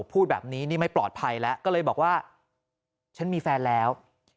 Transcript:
พูดแบบนี้นี่ไม่ปลอดภัยแล้วก็เลยบอกว่าฉันมีแฟนแล้ว